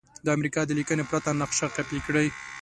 د امریکا د لیکنې پرته نقشه کاپې کړئ.